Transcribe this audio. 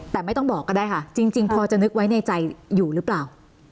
แต่ไม่ต้องบอกก็ได้ค่ะจริงพอจะนึกไว้ในใจอยู่หรือเปล่า